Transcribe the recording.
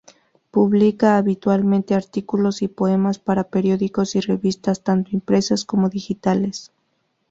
Publica habitualmente artículos y poemas para periódicos y revistas, tanto impresas como digitales.